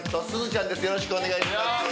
よろしくお願いします。